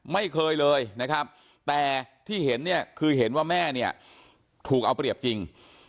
ไม่เคยเลยนะครับแต่ที่เห็นเนี่ยคือเห็นว่าแม่เนี่ยถูกเอาเปรียบจริง